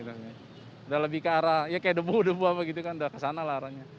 udah lebih ke arah ya kayak debu debu apa gitu kan udah kesana lah arahnya